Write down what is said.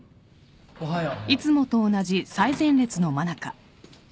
おはよう。